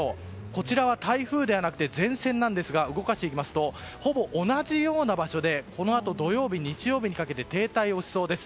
こちらは台風ではなくて前線なんですが動かしていきますとほぼ同じような場所でこのあと土曜日、日曜日にかけて停滞しそうです。